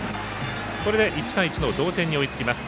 これで１対１の同点に追いつきます。